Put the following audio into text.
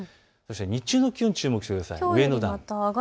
日中の気温に注目してください。